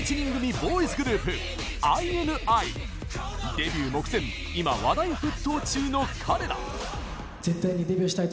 デビュー目前今、話題沸騰中の彼ら。